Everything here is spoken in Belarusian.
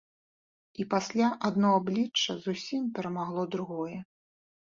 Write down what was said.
І пасля адно аблічча зусім перамагло другое.